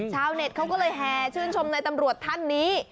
ชาวเน็ตเขาก็เลยแห่ชื่นชมในตำรวจท่านนี้